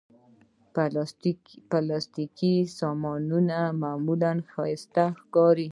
پلاستيکي سامانونه معمولا ښايسته ښکاري.